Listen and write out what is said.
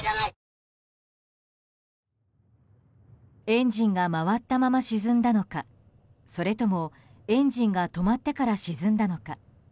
エンジンが回ったまま沈んだのかそれとも、エンジンが止まってから沈んだのか。